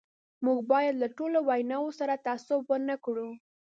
موږ باید له ټولو ویناوو سره تعصب ونه کړو.